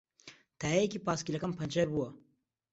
تایەیەکی پایسکلەکەم پەنچەر بووە.